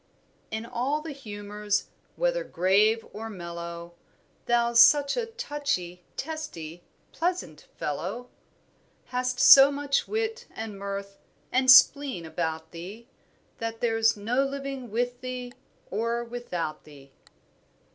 "In all the humours, whether grave or mellow, Thou's such a touchy, testy, pleasant fellow, Hast so much wit and mirth, and spleen about thee That there's no living with thee or without thee."